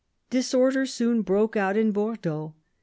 Disorder soon broke out in Bor deaux.